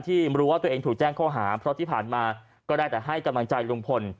รู้ว่าตัวเองถูกแจ้งข้อหาเพราะที่ผ่านมาก็ได้แต่ให้กำลังใจลุงพล